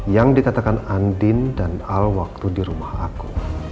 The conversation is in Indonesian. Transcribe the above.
yang dikatakan andin dan al waktu di rumah aku